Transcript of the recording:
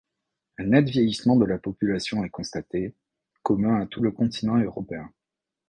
Un net vieillissement de la population est constaté, commun à tout le continent européen.